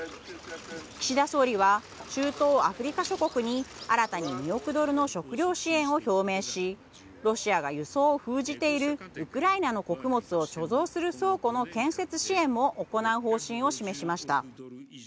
岸田総理は中東・アフリカ諸国に新たに２億ドルの食料支援を表明しロシアが輸送を封じているウクライナの穀物を貯蔵する倉庫の建設支援も行う方針を示しました。